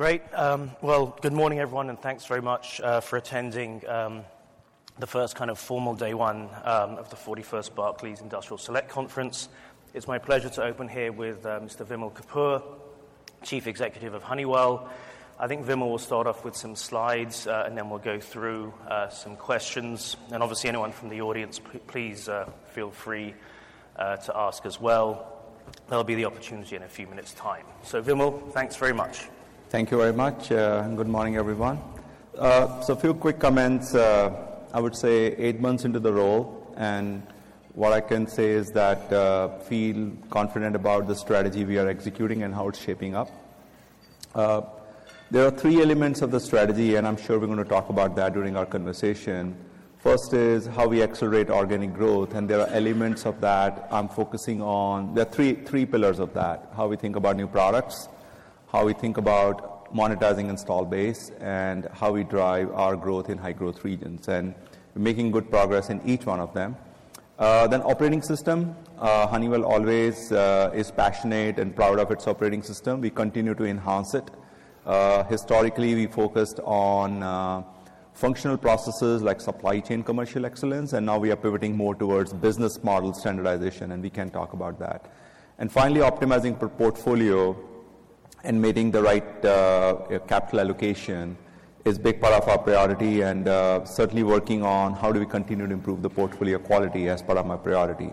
Great. Well, good morning, everyone, and thanks very much for attending the first kind of formal day one of the 41st Barclays Industrial Select Conference. It's my pleasure to open here with Mr. Vimal Kapur, Chief Executive of Honeywell. I think Vimal will start off with some slides, and then we'll go through some questions. And obviously, anyone from the audience, please feel free to ask as well. There'll be the opportunity in a few minutes' time. So Vimal, thanks very much. Thank you very much. Good morning, everyone. A few quick comments. I would say 8 months into the role, and what I can say is that, I feel confident about the strategy we are executing and how it's shaping up. There are three elements of the strategy, and I'm sure we're gonna talk about that during our conversation. First is how we accelerate organic growth, and there are elements of that I'm focusing on. There are three, three pillars of that: how we think about new products, how we think about monetizing install base, and how we drive our growth in high-growth regions. And we're making good progress in each one of them. Then operating system. Honeywell always is passionate and proud of its operating system. We continue to enhance it. Historically, we focused on functional processes like supply chain commercial excellence, and now we are pivoting more towards business model standardization, and we can talk about that. And finally, optimizing portfolio and making the right capital allocation is a big part of our priority and certainly working on how do we continue to improve the portfolio quality as part of my priority.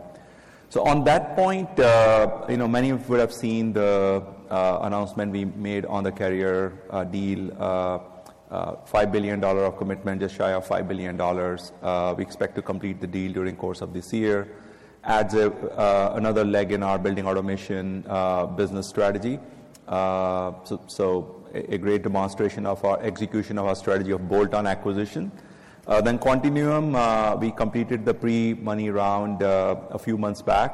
So on that point, you know, many of you would have seen the announcement we made on the Carrier deal, $5 billion of commitment, just shy of $5 billion. We expect to complete the deal during the course of this year. Adds another leg in our Building Automation business strategy. So a great demonstration of our execution of our strategy of bolt-on acquisition. Then Quantinuum. We completed the pre-money round a few months back,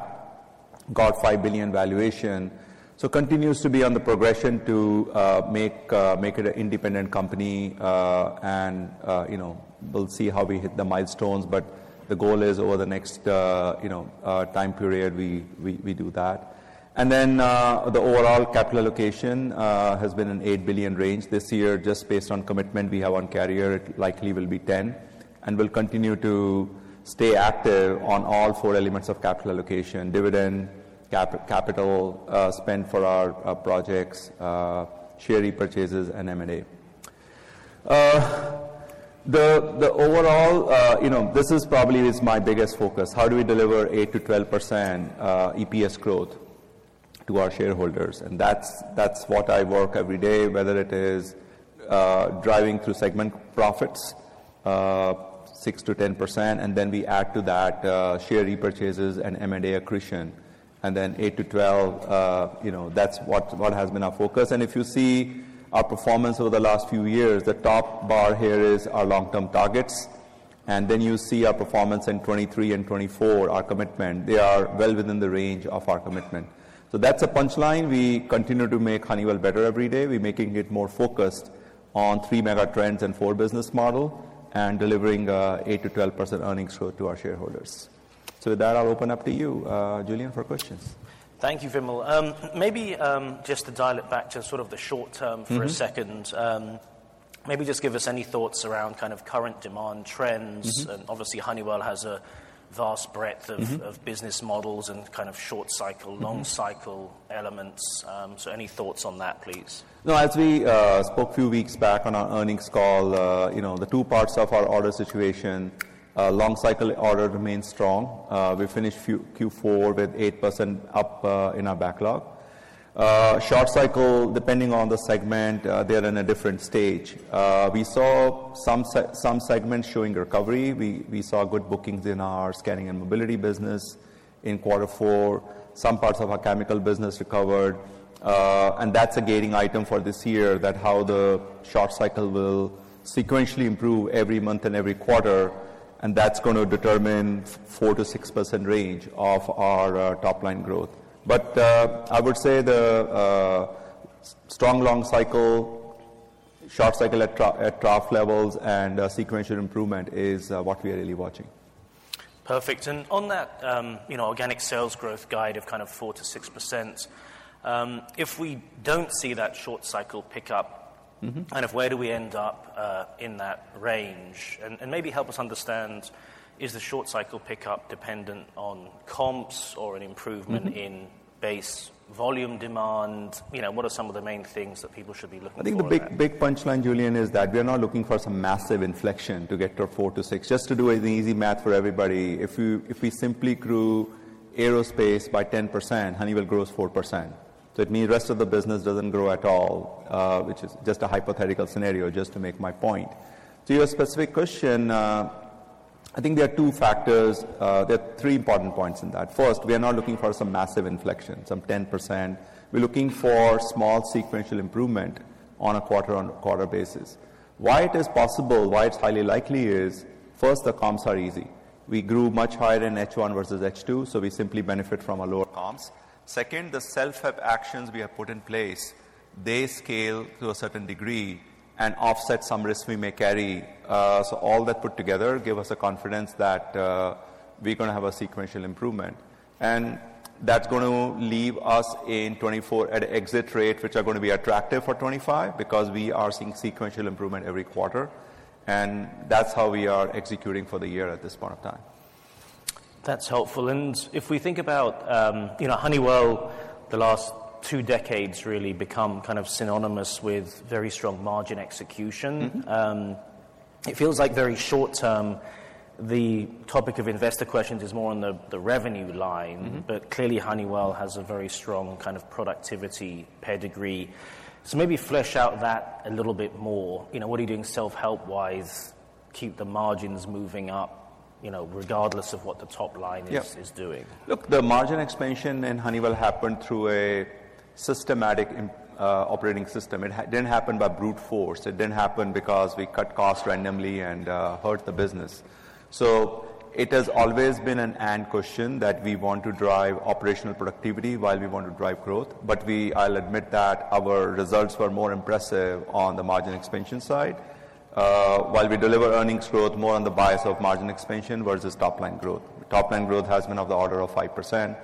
got $5 billion valuation. So it continues to be on the progression to make it an independent company, and, you know, we'll see how we hit the milestones, but the goal is over the next, you know, time period, we do that. And then, the overall capital allocation has been in the $8 billion range. This year, just based on commitment we have on Carrier, it likely will be $10 billion, and we'll continue to stay active on all four elements of capital allocation: dividend, capital spend for our projects, share repurchases, and M&A. The overall, you know, this is probably my biggest focus: how do we deliver 8%-12% EPS growth to our shareholders? And that's what I work every day, whether it is driving through segment profits 6%-10%, and then we add to that share repurchases and M&A accretion. Then 8-12, you know, that's what, what has been our focus. If you see our performance over the last few years, the top bar here is our long-term targets, and then you see our performance in 2023 and 2024, our commitment. They are well within the range of our commitment. That's a punchline. We continue to make Honeywell better every day. We're making it more focused on 3 megatrends and 4 business models and delivering 8%-12% earnings growth to our shareholders. With that, I'll open up to you, Julian, for questions. Thank you, Vimal. Maybe, just to dial it back to sort of the short term for a second. Mm-hmm. Maybe just give us any thoughts around kind of current demand trends. Mm-hmm. And obviously, Honeywell has a vast breadth of business models and kind of short-cycle, long-cycle elements. So any thoughts on that, please? No, as we spoke a few weeks back on our earnings call, you know, the two parts of our order situation, long-cycle order remains strong. We finished Q4 with 8% up in our backlog. Short-cycle, depending on the segment, they're in a different stage. We saw some segments showing recovery. We saw good bookings in our scanning and mobility business in quarter four. Some parts of our chemical business recovered. And that's a gaining item for this year, that how the short-cycle will sequentially improve every month and every quarter, and that's gonna determine 4%-6% range of our top-line growth. But I would say the strong long-cycle, short-cycle at trough levels, and sequential improvement is what we are really watching. Perfect. On that, you know, organic sales growth guide of kind of 4%-6%, if we don't see that short-cycle pickup. Mm-hmm. Kind of where do we end up, in that range? And maybe help us understand, is the short-cycle pickup dependent on comps or an improvement in base volume demand? You know, what are some of the main things that people should be looking for? I think the big, big punchline, Julian, is that we are not looking for some massive inflection to get to a 4%-6%. Just to do an easy math for everybody, if we simply grew aerospace by 10%, Honeywell grows 4%. So it means the rest of the business doesn't grow at all, which is just a hypothetical scenario, just to make my point. To your specific question, I think there are two factors. There are three important points in that. First, we are not looking for some massive inflection, some 10%. We're looking for small sequential improvement on a quarter-on-quarter basis. Why it is possible, why it's highly likely, is, first, the comps are easy. We grew much higher in H1 versus H2, so we simply benefit from our lower comps. Second, the self-help actions we have put in place, they scale to a certain degree and offset some risks we may carry. So all that put together gives us a confidence that, we're gonna have a sequential improvement. And that's gonna leave us in 2024 at an exit rate which are gonna be attractive for 2025 because we are seeing sequential improvement every quarter, and that's how we are executing for the year at this point of time. That's helpful. If we think about, you know, Honeywell, the last two decades really become kind of synonymous with very strong margin execution. Mm-hmm. It feels like very short-term, the topic of investor questions is more on the revenue line. Mm-hmm. Clearly, Honeywell has a very strong kind of productivity per degree. Maybe flesh out that a little bit more. You know, what are you doing self-help-wise to keep the margins moving up, you know, regardless of what the top line is. Yeah. Is doing? Look, the margin expansion in Honeywell happened through a systematic operating system. It didn't happen by brute force. It didn't happen because we cut costs randomly and hurt the business. So it has always been an and question that we want to drive operational productivity while we want to drive growth. But I'll admit that our results were more impressive on the margin expansion side, while we deliver earnings growth more on the basis of margin expansion versus top-line growth. Top-line growth has been of the order of 5%.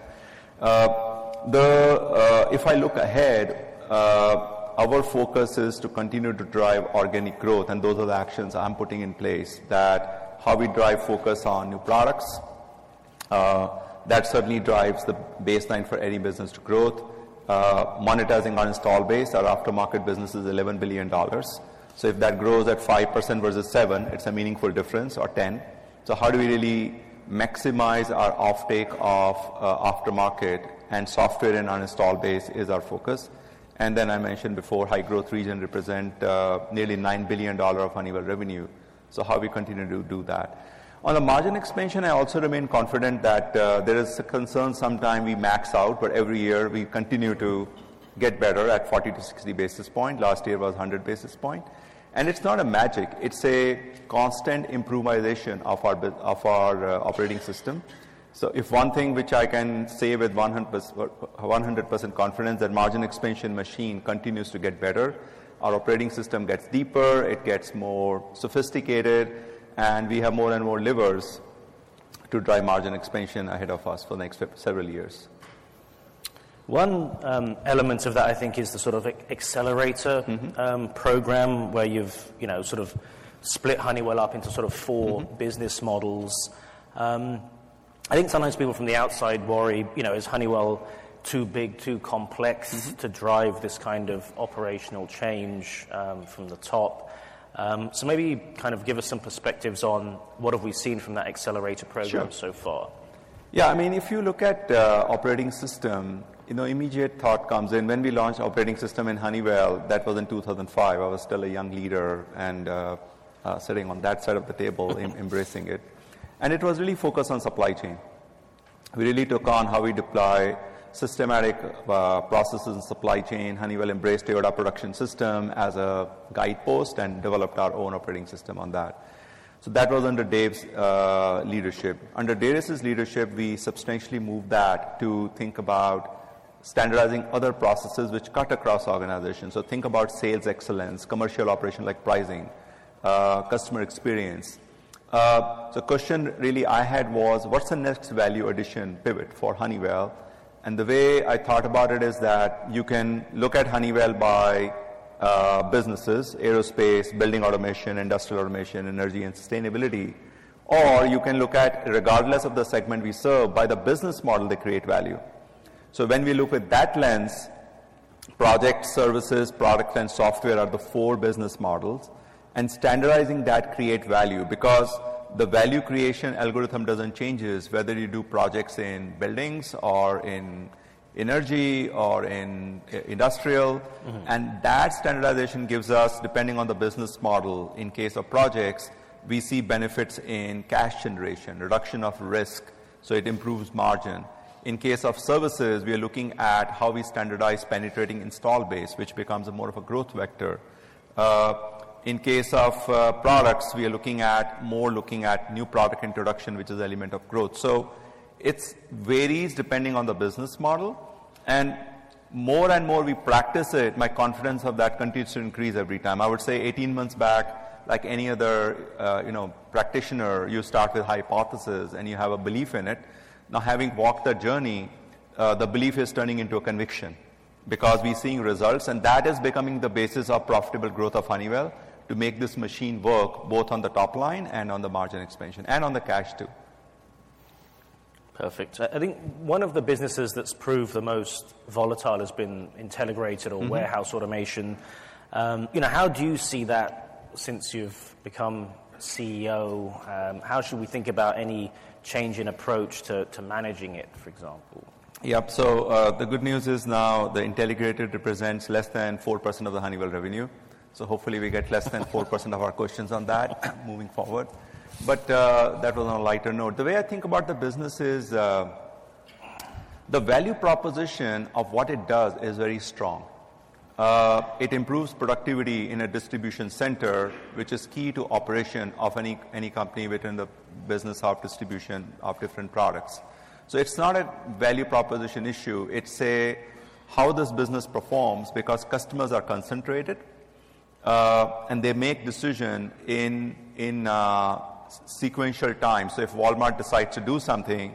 If I look ahead, our focus is to continue to drive organic growth, and those are the actions I'm putting in place, that's how we drive focus on new products. That certainly drives the baseline for any business to growth. Monetizing our install base, our aftermarket business is $11 billion. So if that grows at 5% versus 7%, it's a meaningful difference, or 10%. So how do we really maximize our offtake of aftermarket and software in our install base is our focus. And then I mentioned before, high-growth region represent nearly $9 billion of Honeywell revenue. So how do we continue to do that? On the margin expansion, I also remain confident that there is a concern sometimes we max out, but every year, we continue to get better at 40-60 basis point. Last year was 100 basis point. And it's not a magic. It's a constant improvisation of our operating system. So, if one thing which I can say with 100% confidence, that margin expansion machine continues to get better, our operating system gets deeper, it gets more sophisticated, and we have more and more levers to drive margin expansion ahead of us for the next few several years. One element of that, I think, is the sort of Accelerator. Mm-hmm. program where you've, you know, sort of split Honeywell up into sort of four business models. I think sometimes people from the outside worry, you know, is Honeywell too big, too complex. Mm-hmm. To drive this kind of operational change, from the top. So maybe kind of give us some perspectives on what have we seen from that accelerator program so far. Sure. Yeah. I mean, if you look at operating system, you know, the immediate thought comes in when we launched operating system in Honeywell, that was in 2005. I was still a young leader and, sitting on that side of the table, embracing it. And it was really focused on supply chain. We really took on how we deploy systematic processes in supply chain. Honeywell embraced their production system as a guidepost and developed our own operating system on that. So that was under Dave's leadership. Under Darius's leadership, we substantially moved that to think about standardizing other processes which cut across organizations. So think about sales excellence, commercial operation like pricing, customer experience. So a question really I had was, what's the next value addition pivot for Honeywell? The way I thought about it is that you can look at Honeywell by businesses: Aerospace, Building Automation, Industrial Automation, Energy, and Sustainability, or you can look at, regardless of the segment we serve, by the business model they create value. So when we look with that lens, projects, services, products, and software are the four business models, and standardizing that creates value because the value creation algorithm doesn't change whether you do projects in buildings or in energy or in industrial. Mm-hmm. That standardization gives us, depending on the business model, in case of projects, we see benefits in cash generation, reduction of risk, so it improves margin. In case of services, we are looking at how we standardize penetrating install base, which becomes more of a growth vector. In case of products, we are looking at more looking at new product introduction, which is an element of growth. So it varies depending on the business model, and more and more we practice it, my confidence of that continues to increase every time. I would say 18 months back, like any other, you know, practitioner, you start with hypothesis, and you have a belief in it. Now, having walked that journey, the belief is turning into a conviction because we're seeing results, and that is becoming the basis of profitable growth of Honeywell to make this machine work both on the top line and on the margin expansion and on the cash too. Perfect. I, I think one of the businesses that's proved the most volatile has been Intelligrated or warehouse automation. You know, how do you see that since you've become CEO? How should we think about any change in approach to, to managing it, for example? Yep. So, the good news is now the Intelligrated represents less than 4% of the Honeywell revenue. So hopefully, we get less than 4% of our questions on that moving forward. But, that was on a lighter note. The way I think about the business is, the value proposition of what it does is very strong. It improves productivity in a distribution center, which is key to operation of any company within the business of distribution of different products. So it's not a value proposition issue. It's a how this business performs because customers are concentrated, and they make decisions in sequential time. So if Walmart decides to do something,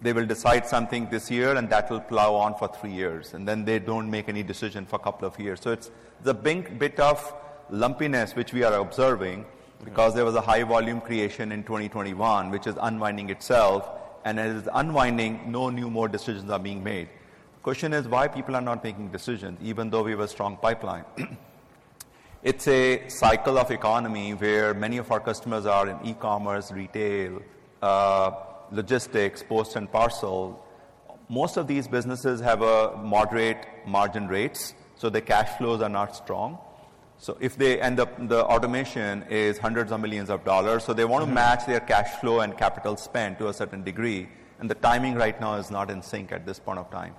they will decide something this year, and that will plow on for three years, and then they don't make any decision for a couple of years. So it's the bit of lumpiness which we are observing because there was a high volume creation in 2021, which is unwinding itself, and as it's unwinding, no more decisions are being made. The question is why people are not making decisions even though we have a strong pipeline. It's a cycle of economy where many of our customers are in e-commerce, retail, logistics, postal and parcel. Most of these businesses have moderate margins, so their cash flows are not strong. So if they, the automation is hundreds of millions of dollars, so they wanna match their cash flow and capital spend to a certain degree, and the timing right now is not in sync at this point of time.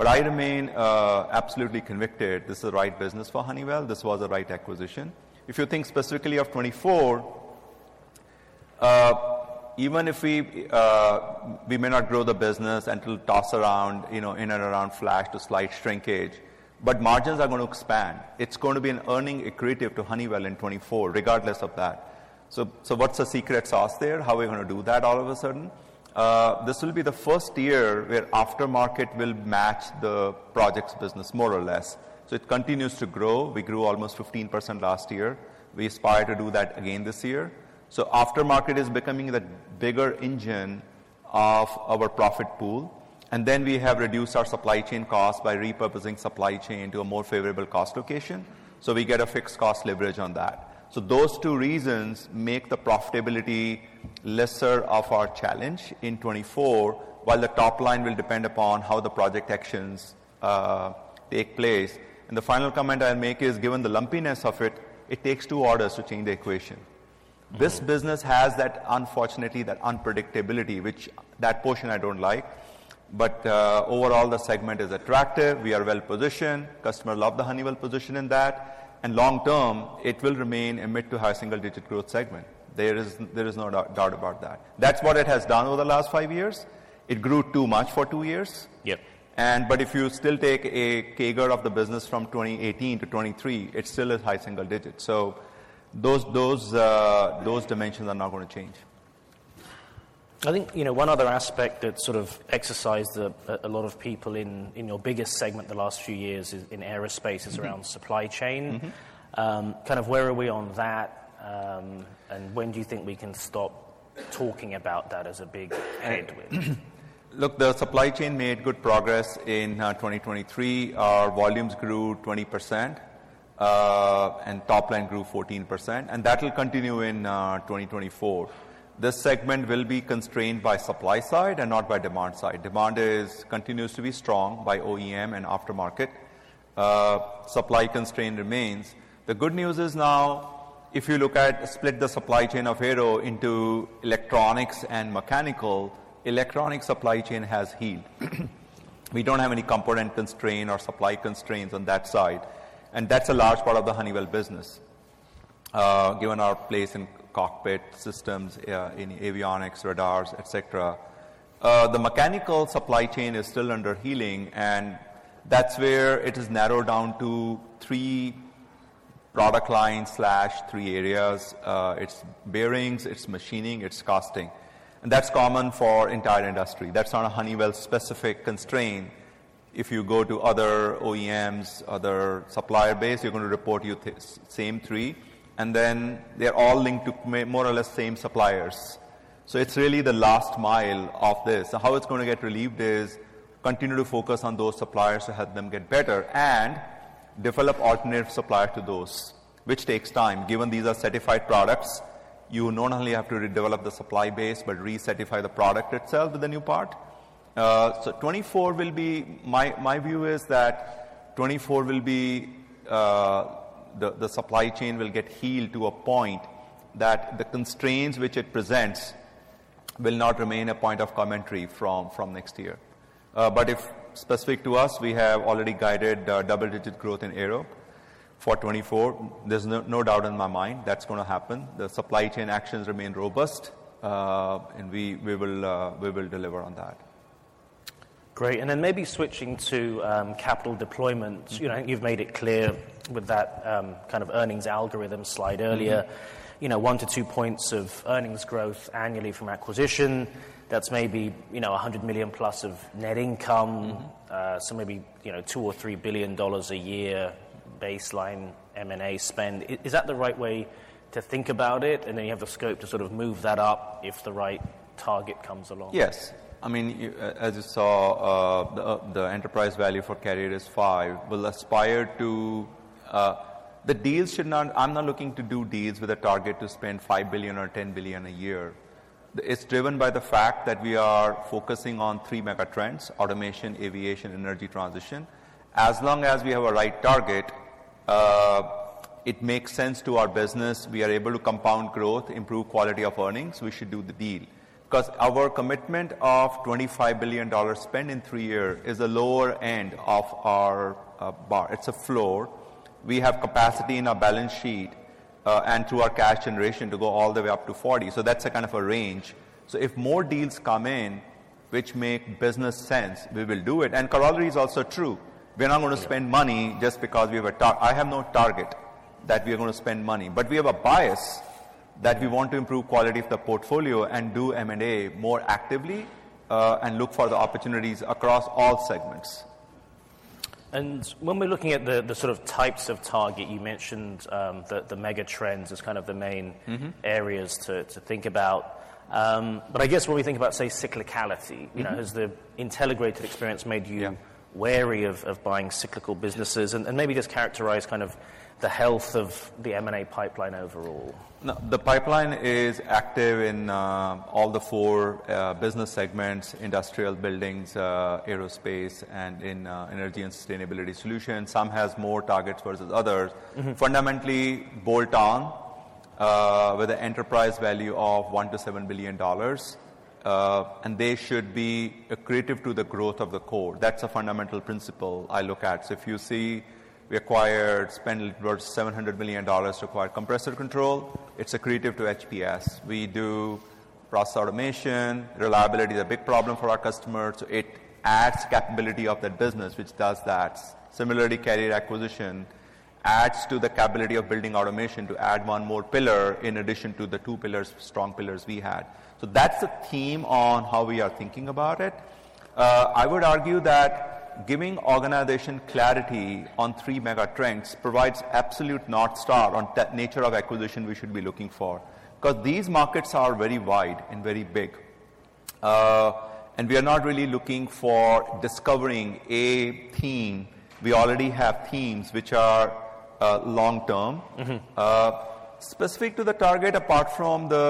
But I remain absolutely convinced this is the right business for Honeywell. This was the right acquisition. If you think specifically of 2024, even if we, we may not grow the business, it's around flat to slight shrinkage, you know, but margins are gonna expand. It's gonna be an earnings equivalent to Honeywell in 2024 regardless of that. So, so what's the secret sauce there? How are we gonna do that all of a sudden? This will be the first year where aftermarket will match the projects business more or less. So it continues to grow. We grew almost 15% last year. We aspire to do that again this year. So aftermarket is becoming the bigger engine of our profit pool, and then we have reduced our supply chain costs by repurposing supply chain to a more favorable cost location, so we get a fixed cost leverage on that. So those two reasons make the profitability lesser of our challenge in 2024 while the top line will depend upon how the project actions take place. And the final comment I'll make is, given the lumpiness of it, it takes two orders to change the equation. This business has that, unfortunately, that unpredictability, which that portion I don't like. But overall, the segment is attractive. We are well positioned. Customers love the Honeywell position in that. And long term, it will remain a mid to high single-digit growth segment. There is no doubt about that. That's what it has done over the last five years. It grew too much for two years. Yep. But if you still take a CAGR of the business from 2018 to 2023, it still is high single digit. So those dimensions are not gonna change. I think, you know, one other aspect that sort of exercised a lot of people in your biggest segment the last few years is in Aerospace. It's around supply chain. Mm-hmm. Kind of where are we on that, and when do you think we can stop talking about that as a big headwind? Mm-hmm. Look, the supply chain made good progress in 2023. Our volumes grew 20%, and top line grew 14%, and that will continue in 2024. This segment will be constrained by supply side and not by demand side. Demand continues to be strong by OEM and Aftermarket. Supply constraint remains. The good news is now, if you look at split the supply chain of aero into electronics and mechanical, electronics supply chain has healed. We don't have any component constraint or supply constraints on that side, and that's a large part of the Honeywell business, given our place in cockpit systems, in avionics, radars, etc. The mechanical supply chain is still under healing, and that's where it is narrowed down to three product lines, three areas. It's bearings, it's machining, it's casting. And that's common for entire industry. That's not a Honeywell-specific constraint. If you go to other OEMs, other supplier base, you're gonna report you think the same three, and then they're all linked to more or less same suppliers. So it's really the last mile of this. So how it's gonna get relieved is continue to focus on those suppliers to help them get better and develop alternative suppliers to those, which takes time given these are certified products. You not only have to redevelop the supply base but re-certify the product itself with the new part. So 2024 will be my view is that 2024 will be the supply chain will get healed to a point that the constraints which it presents will not remain a point of commentary from next year. But if specific to us, we have already guided double-digit growth in Aero. For 2024, there's no doubt in my mind that's gonna happen. The supply chain actions remain robust, and we will deliver on that. Great. And then maybe switching to capital deployment. Mm-hmm. You know, I think you've made it clear with that, kind of earnings algorithm slide earlier. You know, 1-2 points of earnings growth annually from acquisition. That's maybe, you know, $100 million+ of net income. Mm-hmm. So maybe, you know, $2 or $3 billion a year baseline M&A spend. Is that the right way to think about it? Then you have the scope to sort of move that up if the right target comes along. Yes. I mean, as you saw, the enterprise value for Carrier is $5 billion. I'm not looking to do deals with a target to spend $5 billion or $10 billion a year. It's driven by the fact that we are focusing on three megatrends: automation, aviation, energy transition. As long as we have a right target, it makes sense to our business. We are able to compound growth, improve quality of earnings. We should do the deal 'cause our commitment of $25 billion spend in three years is the lower end of our bar. It's a floor. We have capacity in our balance sheet, and through our cash generation to go all the way up to $40 billion. So that's a kind of a range. So if more deals come in which make business sense, we will do it. Corollary is also true. We're not gonna spend money just because we have a target. I have no target that we are gonna spend money, but we have a bias that we want to improve quality of the portfolio and do M&A more actively, and look for the opportunities across all segments. When we're looking at the sort of types of target you mentioned, the megatrends as kind of the main. Mm-hmm. Areas to think about. But I guess when we think about, say, cyclicality, you know, has the Intelligrated experience made you. Yeah. Wary of buying cyclical businesses? And maybe just characterize kind of the health of the M&A pipeline overall. No, the pipeline is active in all four business segments: Industrial, Buildings, Aerospace, and Energy and Sustainability Solutions. Some has more targets versus others. Mm-hmm. Fundamentally bolt-on, with an enterprise value of $1-$7 billion, and they should be additive to the growth of the core. That's a fundamental principle I look at. So if you see we acquired spend towards $700 million to acquire Compressor Controls, it's additive to HPS. We do process automation. Reliability is a big problem for our customers, so it adds capability of that business, which does that. Similarly, Carrier acquisition adds to the capability of building automation to add one more pillar in addition to the two pillars, strong pillars we had. So that's the theme on how we are thinking about it. I would argue that giving organization clarity on three megatrends provides absolute north star on the nature of acquisition we should be looking for 'cause these markets are very wide and very big. We are not really looking for discovering a theme. We already have themes which are long term. Mm-hmm. Specific to the target, apart from the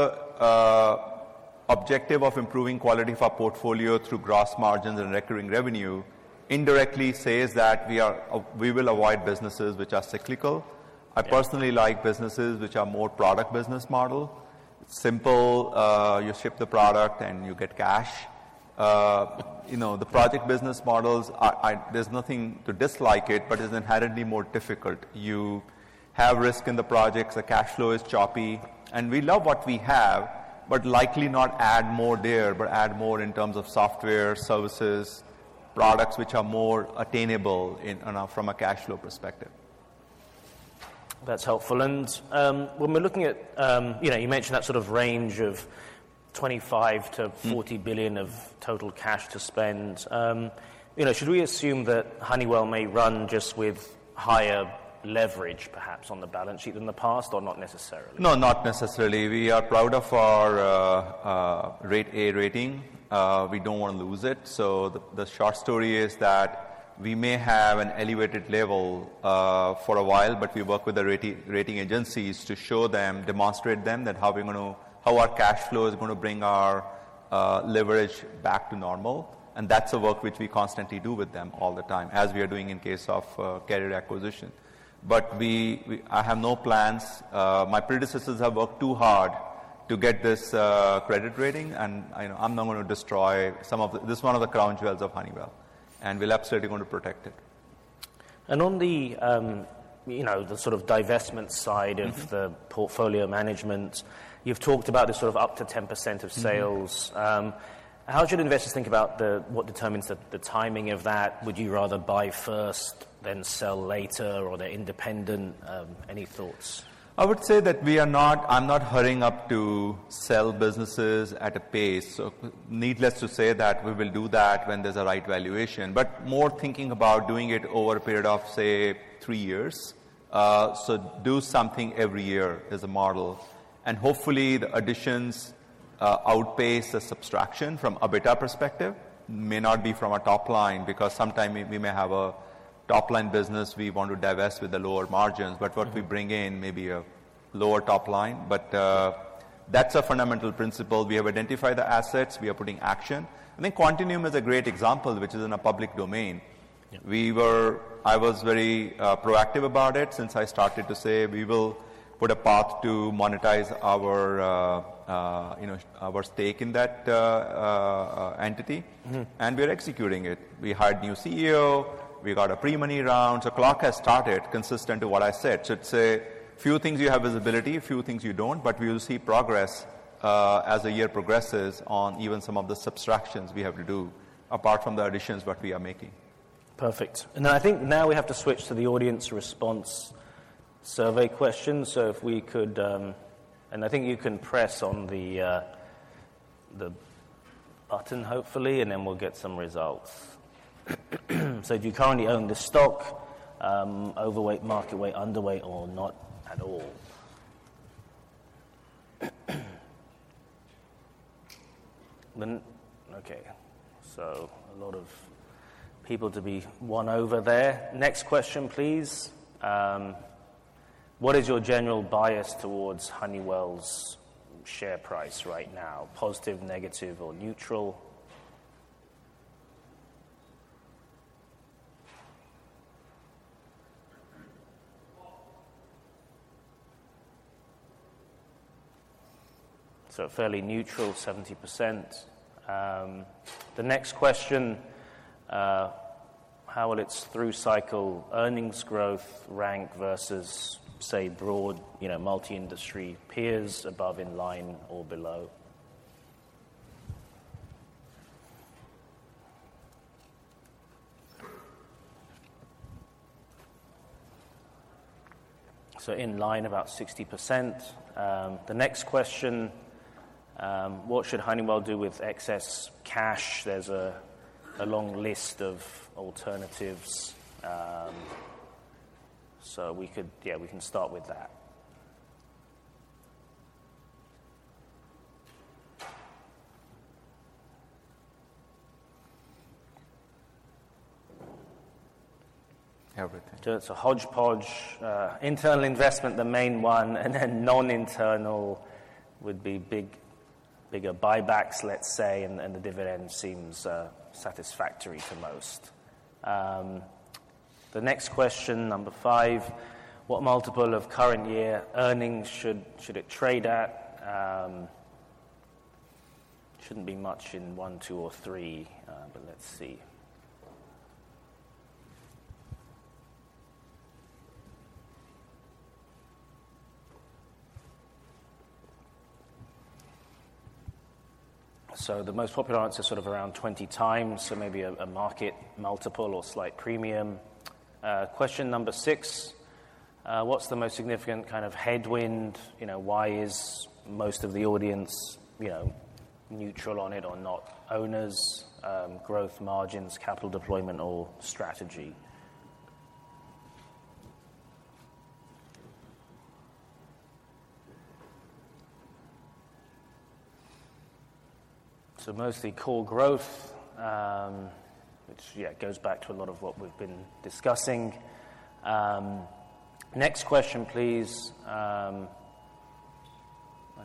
objective of improving quality of our portfolio through gross margins and recurring revenue, indirectly says that we are, we will avoid businesses which are cyclical. I personally like businesses which are more product business model. It's simple. You ship the product, and you get cash. You know, the project business models, there's nothing to dislike it, but it's inherently more difficult. You have risk in the projects. The cash flow is choppy. And we love what we have but likely not add more there but add more in terms of software, services, products which are more attainable in from a cash flow perspective. That's helpful. When we're looking at, you know, you mentioned that sort of range of $25 billion-$40 billion of total cash to spend, you know, should we assume that Honeywell may run just with higher leverage perhaps on the balance sheet than the past or not necessarily? No, not necessarily. We are proud of our A rating. We don't wanna lose it. So the short story is that we may have an elevated level for a while, but we work with the A rating agencies to show them, demonstrate to them how we're gonna have our cash flow bring our leverage back to normal. And that's a work which we constantly do with them all the time as we are doing in case of Carrier acquisition. But I have no plans. My predecessors have worked too hard to get this credit rating, and, you know, I'm not gonna destroy it. This is one of the crown jewels of Honeywell, and we're absolutely gonna protect it. On the, you know, the sort of divestment side of the portfolio management, you've talked about this sort of up to 10% of sales. How should investors think about the what determines the, the timing of that? Would you rather buy first then sell later, or they're independent? Any thoughts? I would say that we are not. I'm not hurrying up to sell businesses at a pace. So needless to say that we will do that when there's a right valuation, but more thinking about doing it over a period of, say, three years. So do something every year is a model. And hopefully, the additions outpace the subtraction from a beta perspective. It may not be from a top line because sometimes we may have a top line business we want to divest with the lower margins, but what we bring in may be a lower top line. But that's a fundamental principle. We have identified the assets. We are putting action. I think Quantinuum is a great example which is in a public domain. Yeah. I was very proactive about it since I started to say we will put a path to monetize our, you know, our stake in that entity. Mm-hmm. We are executing it. We hired new CEO. We got a pre-money round. The clock has started consistent to what I said. It's a few things you have visibility, a few things you don't, but we will see progress, as the year progresses, on even some of the subtractions we have to do apart from the additions what we are making. Perfect. And then I think now we have to switch to the audience response survey questions. So if we could, and I think you can press on the button hopefully, and then we'll get some results. So do you currently own the stock? overweight, market weight, underweight, or not at all? Okay. So a lot of people to be won over there. Next question, please. What is your general bias towards Honeywell's share price right now? Positive, negative, or neutral? So fairly neutral, 70%. The next question, how will its through-cycle earnings growth rank versus, say, broad, you know, multi-industry peers above, in line, or below? So in line, about 60%. The next question, what should Honeywell do with excess cash? There's a long list of alternatives. So we could yeah, we can start with that. Everything. Do it so hodgepodge, internal investment, the main one, and then non-internal would be big, bigger buybacks, let's say, and, and the dividend seems satisfactory to most. The next question, number 5, what multiple of current year earnings should, should it trade at? Shouldn't be much in 1, 2, or 3, but let's see. So the most popular answer is sort of around 20x, so maybe a, a market multiple or slight premium. Question number 6, what's the most significant kind of headwind? You know, why is most of the audience, you know, neutral on it or not? Owners, growth margins, capital deployment, or strategy? So mostly core growth, which, yeah, goes back to a lot of what we've been discussing. Next question, please. I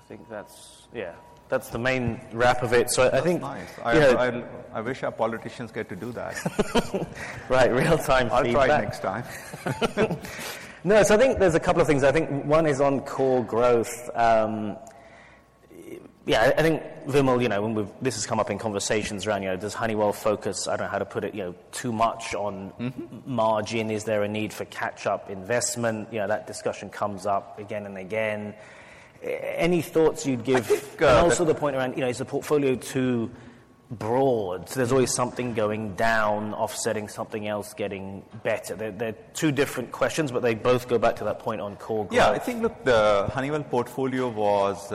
think that's yeah, that's the main wrap of it. So I think. Oh, nice. Yeah. I wish our politicians get to do that. Right. Real-time feedback. I'll try next time. No, so I think there's a couple of things. I think one is on core growth. Yeah, I, I think Vimal, you know, when we've this has come up in conversations around, you know, does Honeywell focus - I don't know how to put it - you know, too much on. Mm-hmm. Margin? Is there a need for catch-up investment? You know, that discussion comes up again and again. Any thoughts you'd give. Good. And also the point around, you know, is the portfolio too broad? So there's always something going down, offsetting something else, getting better. They're, they're two different questions, but they both go back to that point on core growth. Yeah. I think, look, the Honeywell portfolio was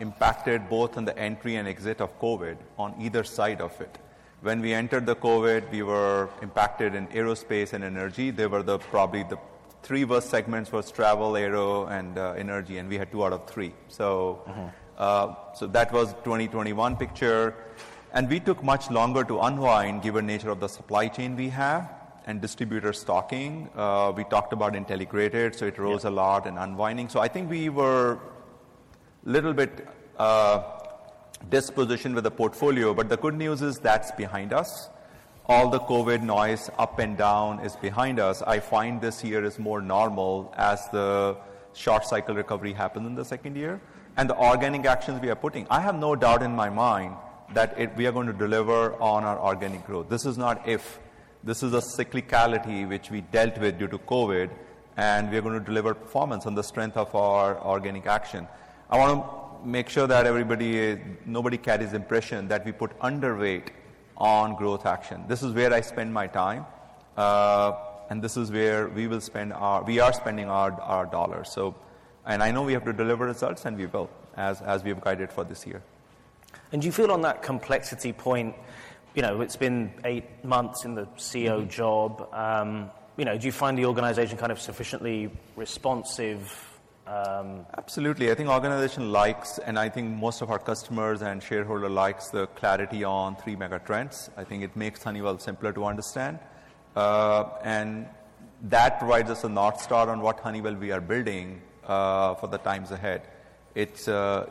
impacted both on the entry and exit of COVID on either side of it. When we entered the COVID, we were impacted in aerospace and energy. They were probably the three worst segments: travel, aero, and energy, and we had two out of three. So. Mm-hmm. So that was 2021 picture. We took much longer to unwind given nature of the supply chain we have and distributor stocking. We talked about Intelligrated, so it rolls a lot and unwinding. So I think we were a little bit dispositioned with the portfolio, but the good news is that's behind us. All the COVID noise up and down is behind us. I find this year is more normal as the short-cycle recovery happens in the second year and the organic actions we are putting. I have no doubt in my mind that we are gonna deliver on our organic growth. This is not if. This is a cyclicality which we dealt with due to COVID, and we are gonna deliver performance on the strength of our organic action. I wanna make sure that everybody is nobody carries the impression that we put underweight on growth action. This is where I spend my time, and this is where we will spend our dollars. So and I know we have to deliver results, and we will as we have guided for this year. Do you feel on that complexity point, you know, it's been eight months in the CEO job, you know, do you find the organization kind of sufficiently responsive? Absolutely. I think organization likes, and I think most of our customers and shareholder likes the clarity on three megatrends. I think it makes Honeywell simpler to understand. And that provides us a north star on what Honeywell we are building, for the times ahead. It's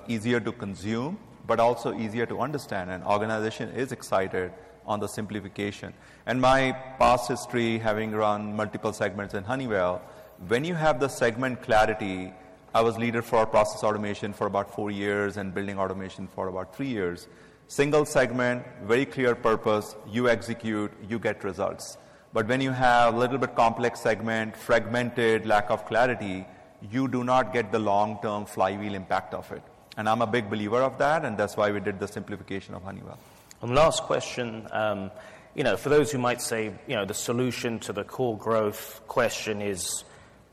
easier to consume but also easier to understand, and organization is excited on the simplification. And my past history having run multiple segments in Honeywell, when you have the segment clarity I was leader for process automation for about four years and building automation for about three years. Single segment, very clear purpose. You execute. You get results. But when you have a little bit complex segment, fragmented, lack of clarity, you do not get the long-term flywheel impact of it. And I'm a big believer of that, and that's why we did the simplification of Honeywell. Last question, you know, for those who might say, you know, the solution to the core growth question is,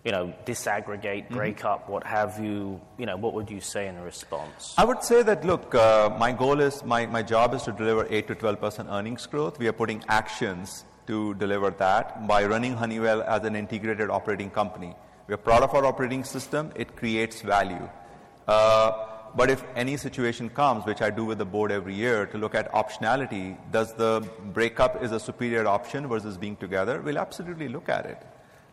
you know, disaggregate, break up, what have you, you know, what would you say in response? I would say that, look, my goal is my, my job is to deliver 8% to 12% earnings growth. We are putting actions to deliver that by running Honeywell as an Intelligrated operating company. We are proud of our operating system. It creates value. But if any situation comes, which I do with the board every year to look at optionality, does the breakup is a superior option versus being together, we'll absolutely look at it.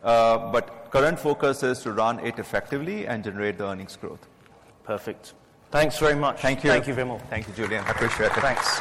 But current focus is to run it effectively and generate the earnings growth. Perfect. Thanks very much. Thank you. Thank you, Vimal. Thank you, Julian. I appreciate it. Thanks.